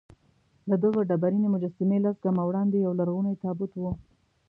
له دغه ډبرینې مجسمې لس ګامه وړاندې یولرغونی تابوت و.